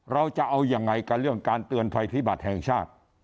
เราจะเอายังไงกับเรื่องการเตือนภัยพิบัติแห่งชาติ